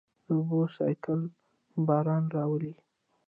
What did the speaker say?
د اوبو سائیکل باران راولي.